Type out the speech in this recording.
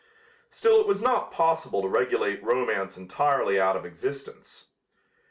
Still it was not possible to regulate romance entirely out of existence.